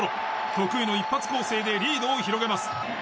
得意の一発攻勢でリードを広げます。